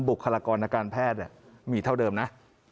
คลากรทางการแพทย์มีเท่าเดิมนะ